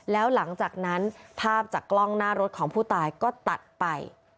แล้วหลังจากนั้นภาพจากกล้องหน้ารถของผู้ตายก็ตัดไป